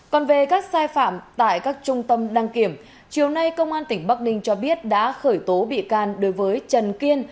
còn về các sai phạm tại các trung tâm đăng kiểm chiều nay công an tỉnh bắc ninh cho biết đã khởi tố bị can đối với trần kiên